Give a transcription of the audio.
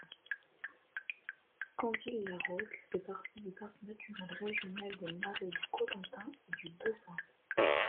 Canville-la-Rocque fait partie du parc naturel régional des Marais du Cotentin et du Bessin.